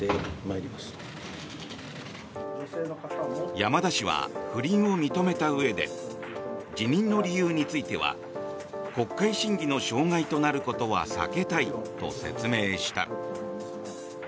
山田氏は不倫を認めたうえで辞任の理由については国会審議の障害となることは避けたいと説明した。